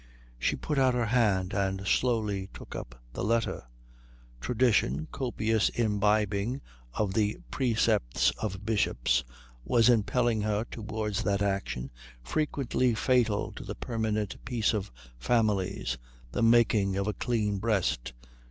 She put out her hand and slowly took up the letter. Tradition, copious imbibing of the precepts of bishops, were impelling her towards that action frequently fatal to the permanent peace of families, the making of a clean breast.